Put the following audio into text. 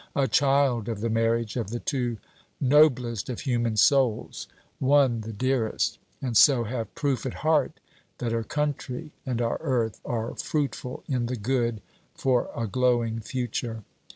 a child of the marriage of the two noblest of human souls, one the dearest; and so have proof at heart that her country and our earth are fruitful in the good, for a glowing future.